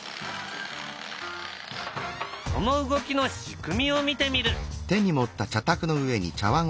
その動きの仕組みを見てみる。